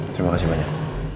terima kasih banyak